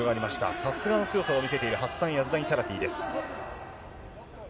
さすがの強さを見せている、ハッサン・ヤズダニチャラティです。